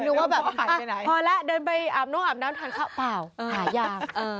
ว่าแบบพอแล้วเดินไปอาบน้องอาบน้ำทานข้าวเปล่าหายาง